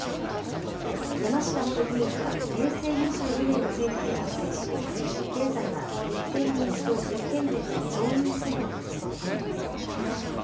山下元議員は平成２２年の選挙で落選し、現在は立憲民主党岐阜県連の常任顧問を務めています。